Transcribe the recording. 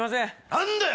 何だよ